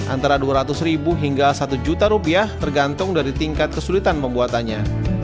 antara dua ratus ribu hingga satu juta rupiah tergantung dari tingkat kesulitan pembuatannya